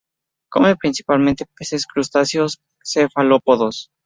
Come principalmente peces, crustáceos cefalópodos.